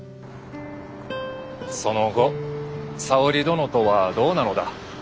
その後沙織殿とはどうなのだ？